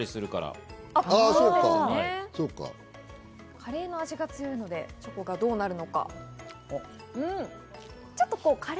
カレーの味が強いのでチョコがどうなるか。